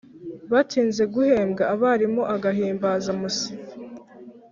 batinze guhembwa abarimu agahimbazamuswi